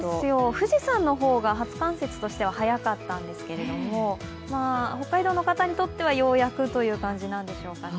富士山の方が初冠雪としては早かったんですけれども、北海道の方にとっては、ようやくという感じなんでしょうかね。